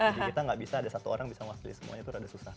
jadi kita gak bisa ada satu orang bisa mewakili semuanya itu agak susah